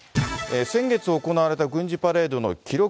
先月行われた軍事パレードの記録